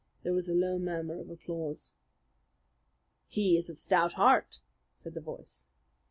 There was a low murmur of applause. "He is of stout heart," said the voice.